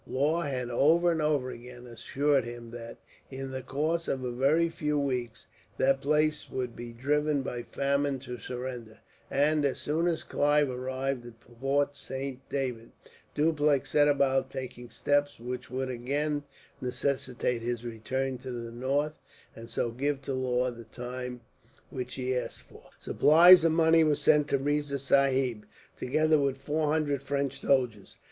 Law had over and over again assured him that, in the course of a very few weeks, that place would be driven by famine to surrender; and, as soon as Clive arrived at Fort Saint David, Dupleix set about taking steps which would again necessitate his return to the north, and so give to Law the time which he asked for. Supplies of money were sent to Riza Sahib, together with four hundred French soldiers.